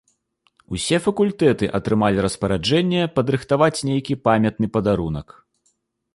Усе факультэты атрымалі распараджэнне падрыхтаваць нейкі памятны падарунак.